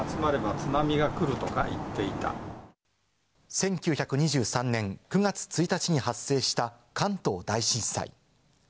１９２３年９月１日に発生した関東大震災。